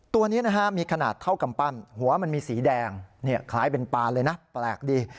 ตัวนี้นะฮะมีขนาดเท่ากำปั้นหัวมันมีสีแดงคล้ายเป็นปานเลยนะแปลกดี